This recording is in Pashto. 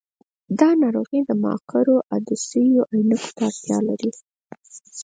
دا ناروغي د مقعرو عدسیو عینکو ته اړتیا لري.